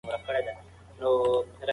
هغه د واکمنۍ ترڅنګ د انسان پاتې شو.